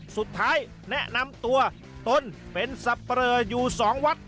สุดท้ายแนะนำตัวตนเป็นสับปะเลออยู่๒วัด